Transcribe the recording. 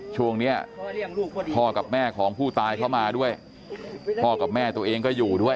ช่วงนี้พ่อกับแม่ของผู้ตายเข้ามาด้วยพ่อกับแม่ตัวเองก็อยู่ด้วย